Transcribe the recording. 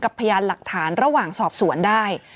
พยานหลักฐานระหว่างสอบสวนได้